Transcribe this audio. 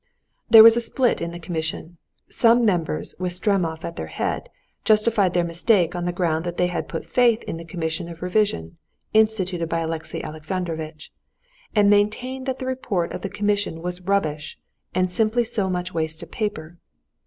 There was a split in the commission. Some members, with Stremov at their head, justified their mistake on the ground that they had put faith in the commission of revision, instituted by Alexey Alexandrovitch, and maintained that the report of the commission was rubbish, and simply so much waste paper.